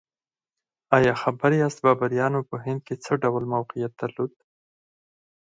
ایا خبر یاست بابریانو په هند کې څه ډول موقعیت درلود؟